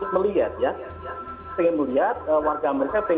pertama ketika akan dibandingkan dengan atau dibandingkan dengan presiden kemarin